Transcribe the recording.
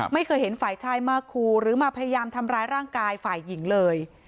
ไม่เคยเห็นฝ่ายชายมาคูหรือมาพยายามทำร้ายร่างกายฝ่ายหญิงเลย